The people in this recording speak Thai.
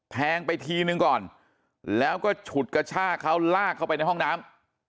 แทงไปทีนึงก่อนแล้วก็ฉุดกระชากเขาลากเข้าไปในห้องน้ำ